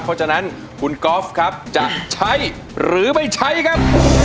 เพราะฉะนั้นคุณกอล์ฟครับจะใช้หรือไม่ใช้ครับ